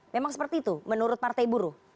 memang seperti itu menurut partai buruh